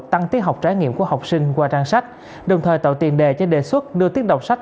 tăng tiết học trải nghiệm của học sinh qua trang sách đồng thời tạo tiền đề cho đề xuất đưa tiết đọc sách